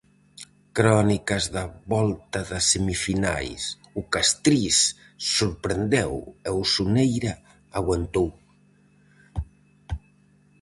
Crónicas da volta das semifinais: o Castriz sorprendeu e o Soneira aguantou.